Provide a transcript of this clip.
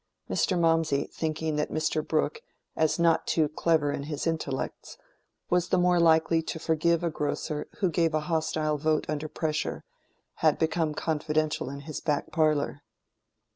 Mr. Mawmsey thinking that Mr. Brooke, as not too "clever in his intellects," was the more likely to forgive a grocer who gave a hostile vote under pressure, had become confidential in his back parlor.